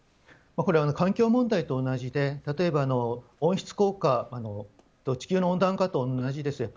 環境問題と同じで例えば地球の温暖化と同じです。